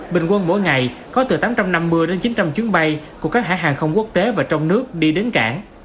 bình quân mỗi ngày có từ tám trăm năm mươi đến chín trăm linh chuyến bay của các hãng hàng không quốc tế và trong nước đi đến cảng